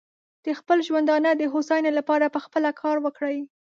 د خپل ژوندانه د هوساینې لپاره پخپله کار وکړي.